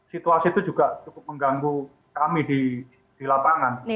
situasi itu juga cukup mengganggu kami di lapangan